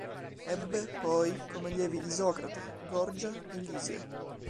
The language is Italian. Ebbe, poi, come allievi Isocrate, Gorgia e Lisia.